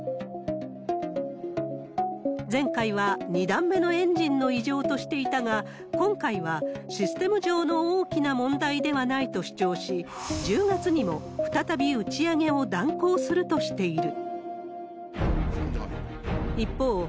前回は２段目のエンジンの異常としていたが、今回はシステム上の大きな問題ではないと主張し、１０月にも再び打ち上げを断行するとしている。